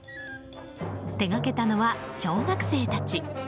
手がけたのは小学生たち。